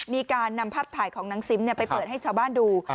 มีการนำภาพถ่ายของนางซิมไปเปิดให้ชาวบ้านดู